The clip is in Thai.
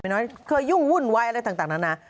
น้อยเคยยุ่งวุ่นวายอะไรต่างนั้นนะ